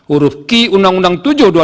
uruf ki undang undang tujuh